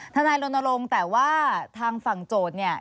ทนายรณรงค์แต่ว่าทางฝั่งโจทย์เนี่ย